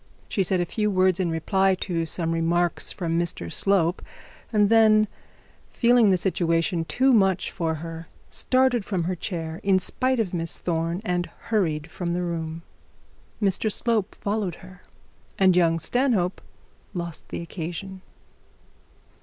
She said a few words in reply to some remarks from Mr Slope, and then feeling the situation too much for her, started from her chair in spite of Miss Thorne, and hurried from the room. Mr Slope followed her, and young Stanhope lost the occasion.